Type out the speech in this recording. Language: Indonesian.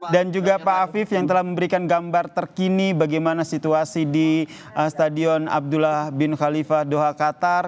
dan juga pak afif yang telah memberikan gambar terkini bagaimana situasi di stadion abdullah bin khalifa doha qatar